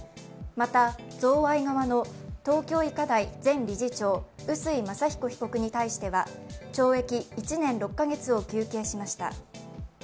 また、贈賄側の東京医科大前理事長臼井正彦被告に対しては懲役１年６カ月を求刑しました。